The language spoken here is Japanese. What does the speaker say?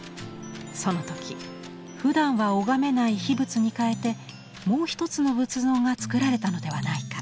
その時ふだんは拝めない秘仏に替えてもう一つの仏像がつくられたのではないか。